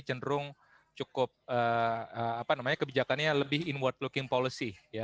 cenderung cukup kebijakannya lebih inward looking policy